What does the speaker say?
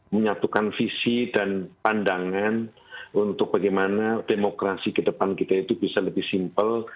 menyatukan visi dan pandangan untuk bagaimana demokrasi ke depan kita itu bisa lebih simpel